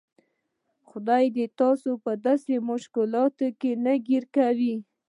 خدای تاسو په داسې مشکلاتو کې نه ګیر کوي.